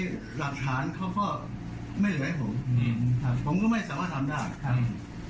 อาตรีหลักฐานเขาก็ไม่เหลือไอ้ผมผมก็ไม่สามารถทำได้ครับ